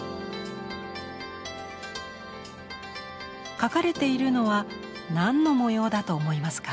描かれているのは何の模様だと思いますか？